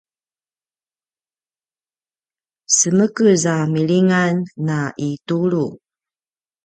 semekez a milingan na itulu